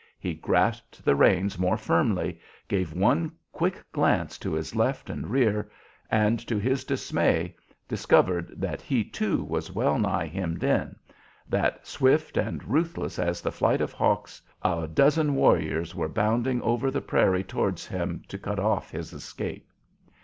He grasped the reins more firmly, gave one quick glance to his left and rear, and, to his dismay, discovered that he, too, was well nigh hemmed in; that, swift and ruthless as the flight of hawks, a dozen warriors were bounding over the prairie towards him, to cut off his escape.